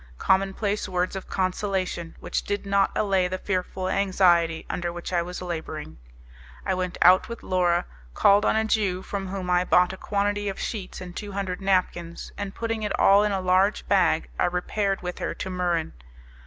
Commonplace words of consolation, which did not allay the fearful anxiety under which I was labouring. I went out with Laura, called on a Jew from whom I bought a quantity of sheets and two hundred napkins, and, putting it all in a large bag, I repaired with her to Muran.